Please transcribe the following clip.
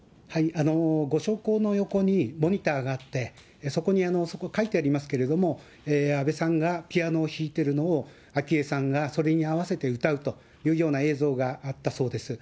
ご焼香の横にモニターがあって、そこに書いてありますけれども、安倍さんがピアノを弾いてるのを昭恵さんがそれに合わせて歌うというような映像があったそうです。